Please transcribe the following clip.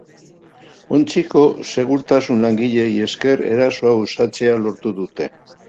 Ontziko segurtasun-langileei esker erasoa uxatzea lortu dute.